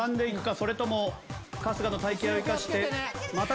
それとも春日の体形を生かしてまたぐか？